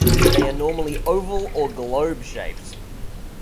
They are normally oval or globe shaped.